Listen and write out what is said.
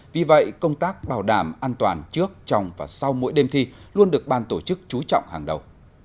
vì vậy công tác bảo đảm an toàn trước trong và sau mỗi đêm thi luôn được ban tổ chức trú trọng hàng đầu